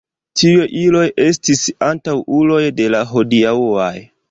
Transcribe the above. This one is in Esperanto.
Tiuj iloj estis antaŭuloj de la hodiaŭaj.